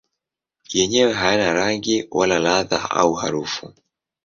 Yenyewe hayana rangi wala ladha au harufu.